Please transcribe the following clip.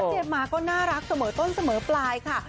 มาก็น่ารักเสมอต้นเสมอปลายค่ะ